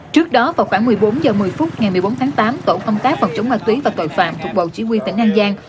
trước đó vào khoảng một mươi bốn h một mươi phút ngày một mươi bốn tháng tám tổ công tác phòng chống ma túy và tội phạm thuộc bộ chỉ huy tỉnh an giang